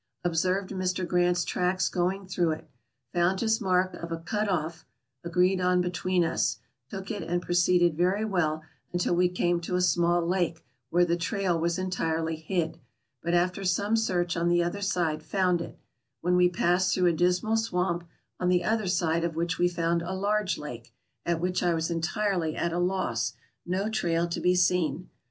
Observed Mr. Grant's tracks going through it ; found his mark of a cut off (agreed on between us) ; took it, and proceeded very well until we came to a small lake, where the trail was entirely hid, but after some search on the other side, found it, when we passed through a dismal swamp, on the other side of which we found a large lake, at which I was entirely at a loss, no trail to be seen.